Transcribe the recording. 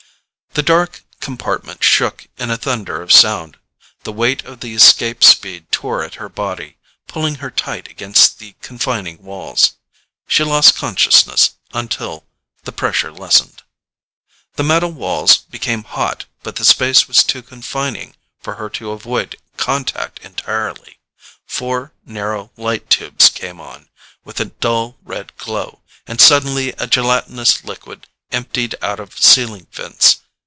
The dark compartment shook in a thunder of sound. The weight of the escape speed tore at her body, pulling her tight against the confining walls. She lost consciousness until the pressure lessened. The metal walls became hot but the space was too confining for her to avoid contact entirely. Four narrow light tubes came on, with a dull, red glow, and suddenly a gelatinous liquid emptied out of ceiling vents.